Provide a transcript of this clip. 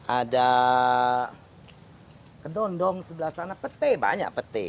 ada kedondong sebelah sana petai banyak pete